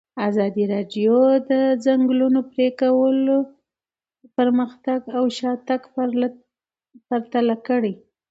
ازادي راډیو د د ځنګلونو پرېکول پرمختګ او شاتګ پرتله کړی.